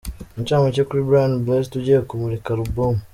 Incamake kuri Brian Blessed ugiye kumurika album.